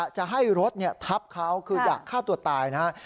จะให้รถทับเขาคืออยากฆ่าตัวตายนะครับ